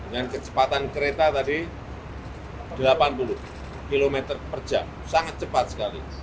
dan kecepatan kereta tadi delapan puluh km per jam sangat cepat sekali